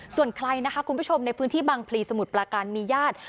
ส่วนใครนะคะคุณผู้ชมในพื้นที่บางพลีสมุทรปลาการมีญาติ